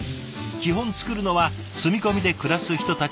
基本作るのは住み込みで暮らす人たちの分。